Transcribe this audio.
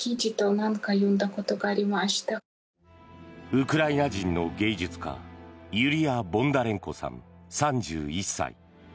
ウクライナ人の芸術家ユリヤ・ボンダレンコさん３１歳。